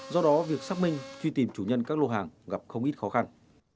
do đó việc xác minh truy tìm chủ nhân các lô hàng gặp không ít khó khăn